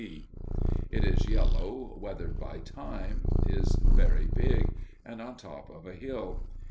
D. It is yellow, weathered by time, is very big and on top of a hill.